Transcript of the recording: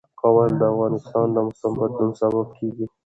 کابل د افغانستان د موسم د بدلون سبب کېږي.